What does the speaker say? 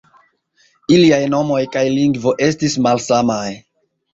Iliaj nomoj kaj lingvo estis malsamaj.